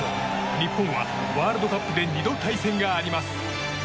日本は、ワールドカップで２度対戦があります。